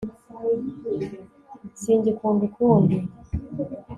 singikunda ukundi